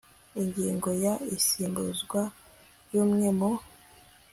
ingingo ya isimbuzwa ry umwe mu